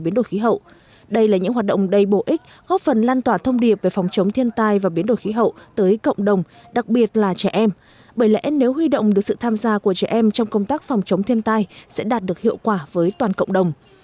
nếu huy động được sự tham gia của trẻ em trong công tác phòng chống thiên tai sẽ đạt được hiệu quả với toàn cộng đồng